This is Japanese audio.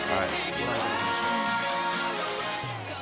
ご覧いただきましょう。